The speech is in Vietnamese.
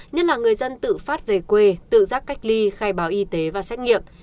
nhất là người dân tự phát về quê tự giác cách ly khai báo y tế và xét nghiệm